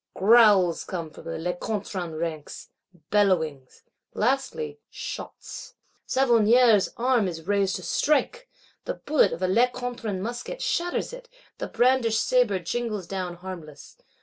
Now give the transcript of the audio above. Growls come from the Lecointrian ranks; bellowings,—lastly shots. Savonnières" arm is raised to strike: the bullet of a Lecointrian musket shatters it; the brandished sabre jingles down harmless.